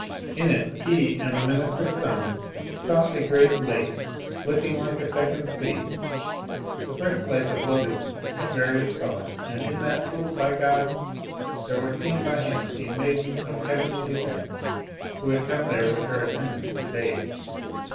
In it he and the minister's son saw a great lake, looking like a second sea, the birthplace of lotuses of various colors ; and in that pool of gods there was seen by him a maiden of heavenly ap pearance, who had come there with her attendants to bathe.